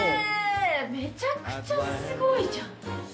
めちゃくちゃすごいじゃん。